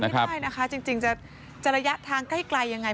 ไม่ได้นะคะจริงจะระยะทางใกล้ยังไง